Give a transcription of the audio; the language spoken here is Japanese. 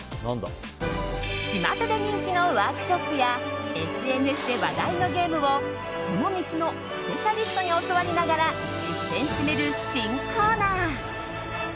巷で人気のワークショップやＳＮＳで話題のゲームをその道のスペシャリストに教わりながら実践してみる新コーナー